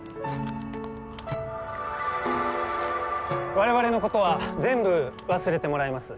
我々のことは全部忘れてもらいます。